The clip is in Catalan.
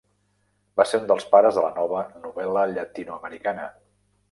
Va ser un dels pares de la nova novel·la llatinoamericana.